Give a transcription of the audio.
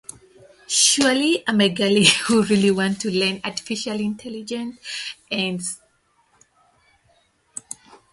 The family moved frequently, and Harrisson later recalled no "lived in, loved place".